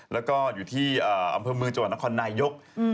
แล้วก็อยู่ที่อำเภอเมืองจังหวัดนครนายก